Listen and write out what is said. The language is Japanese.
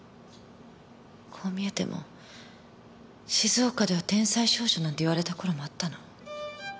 こう見えても静岡では天才少女なんて言われた頃もあったの。